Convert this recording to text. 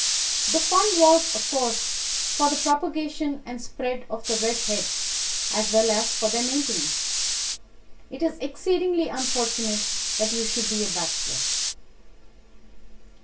The fund was, of course, for the propagation and spread of the red heads as well as for their maintenance. It is exceedingly unfortunate that you should be a bachelor.